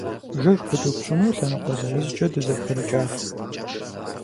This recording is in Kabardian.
Жыг пыдупщӀыну лъэныкъуэ зырызкӀэ дызэбгрыкӀат.